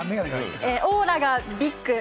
オーラがビッグ。